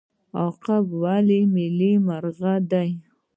عقاب ولې ملي مرغه دی؟